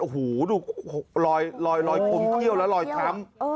โอ้โหดูลอยลอยลอยคมเขี้ยวแล้วลอยช้ำ